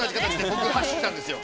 僕、走ったんですよ。